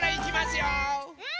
うん！